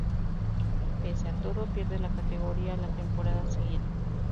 Pese a todo, pierde la categoría la temporada siguiente.